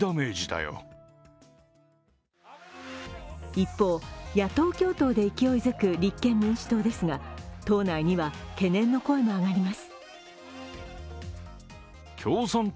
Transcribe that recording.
一方、野党共闘で勢いづく立憲民主党ですが党内には懸念の声も上がります。